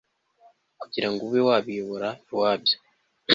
kugira ngo ube wabiyobora iwabyo